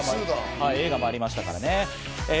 映画もありましたからね。